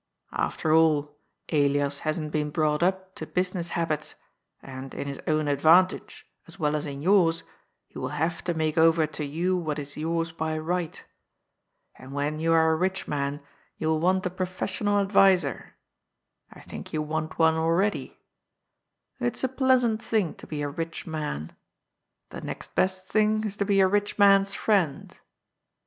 Aftei all, Elias hasn't been brought up to business habits, and in his own advantage, as well as in yours, he will have to make over to you what is yours by right. And HSNDRIK'S TEMPTATION. 129 when you are a rich man, yon will want a professional ad viser. I thiiik yon want one already. It's a pleasant thing to be a rich man. The next best thing is to be a rich man's friend.